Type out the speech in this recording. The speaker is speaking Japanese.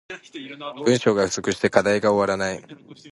文章が不足してて課題が終わらない